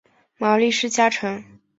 毛利氏家臣。